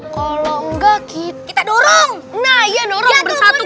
kalau enggak kita dorong nah ya nonton satu kita teguh bercerai kita runtuh